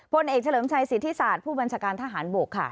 พลเอกเฉลิมชัยสิทธิศาสตร์ผู้บัญชาการทหารบกค่ะ